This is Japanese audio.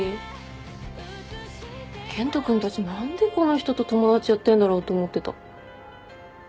健人君たち何でこの人と友達やってんだろうと思ってた。